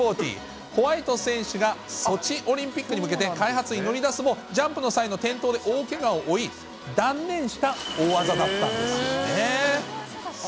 ホワイト選手がソチオリンピックに向けて開発に乗り出すも、ジャンプの際の転倒で大けがを負い、断念した大技だったんですね。